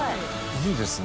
いいですね。